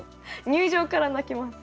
入場から泣きます。